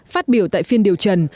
phát biểu tại phiên điều trần